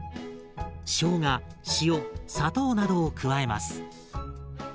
しょうが塩砂糖などを加えます。